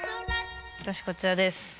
私こちらです。